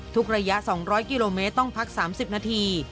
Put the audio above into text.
ระยะ๒๐๐กิโลเมตรต้องพัก๓๐นาที